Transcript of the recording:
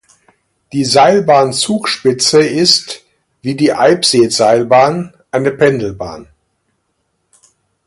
Die Seilbahn Zugspitze ist, wie die Eibsee-Seilbahn, eine Pendelbahn.